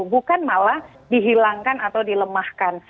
bukan malah dihilangkan atau dilemahkan